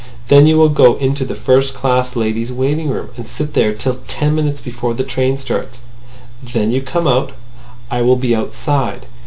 Then you will go into the first class ladies' waiting room, and sit there till ten minutes before the train starts. Then you come out. I will be outside.